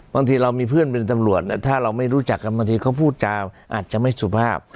บางทีเรามีเพื่อนเป็นตำรวจถ้าเราไม่รู้จักกันบางทีเขาพูดจาอาจจะไม่สุภาพ